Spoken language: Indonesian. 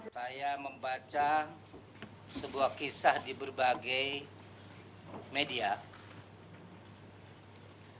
saya membaca sebuah kisah di berbagai media